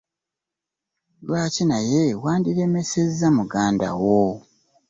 Lwaki naye wandiremesezza muganda wo?